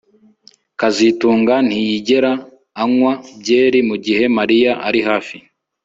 kazitunga ntiyigera anywa byeri mugihe Mariya ari hafi